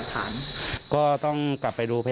การแจ้งเว้าหาเพิ่มคืออะไร